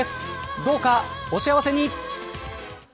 どうか、お幸せに。